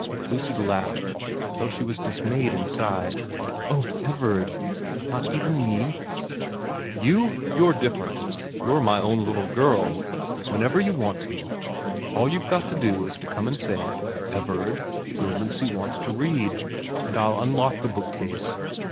Lucy laughed, though she was dismayed inside. * Oh Everard ' she said, ' not even me ?'* You ? You're different. You're my own little girl. Whenever you want to, all you've got to do is to come and say, " Everard, your Lucy wants to read," and I'll unlock the book case.'